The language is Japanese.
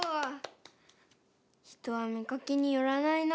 人は見かけによらないな。